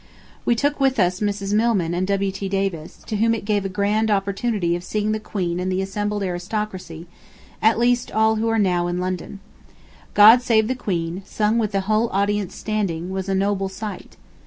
We took with us Mrs. Milman and W. T. Davis, to whom it gave a grand opportunity of seeing the Queen and the assembled aristocracy, at least all who are now in London. "God save the Queen," sung with the whole audience standing, was a noble sight.